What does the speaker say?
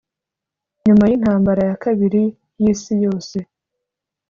Nyuma y intambara ya kabiri y isi yose